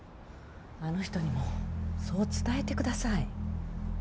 あの人にもそう伝えてください。